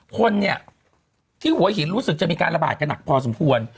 คนที่หัวหินรู้สึกจะมีการระบาดขนักพอสมควร